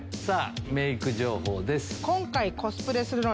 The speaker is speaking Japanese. メーク情報です。